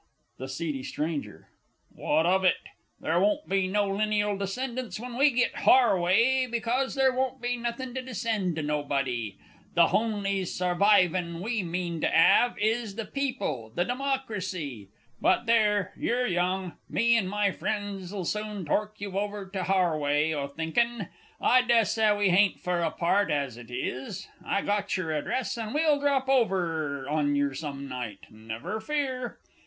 THE S. S. What of it? There won't be no lineal descendants when we git hour way, 'cause there won't be nothing to descend to nobody. The honly suv'rin we mean to 'ave is the People the Democrisy. But there, you're young, me and my friends'll soon tork you over to hour way o' thinking. I dessay we 'aint fur apart, as it is. I got yer address, and we'll drop in on yer some night never fear.